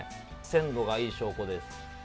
鮮度がいい証拠です。